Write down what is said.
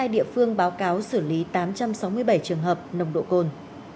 năm mươi hai địa phương báo cáo xử lý tám trăm sáu mươi bảy trường hợp nồng độ cồn